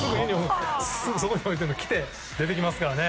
すぐそこに置いてあるのを着て出てきますからね。